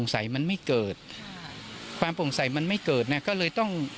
ใส่มันไม่เกิดความโปร่งใสมันไม่เกิดนะก็เลยต้อง